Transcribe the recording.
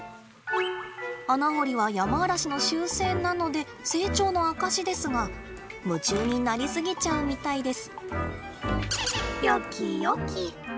穴掘りはヤマアラシの習性なので成長の証しですが夢中になり過ぎちゃうみたいです。